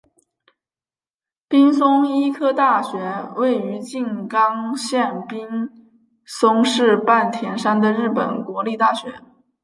滨松医科大学位于静冈县滨松市半田山的日本国立大学。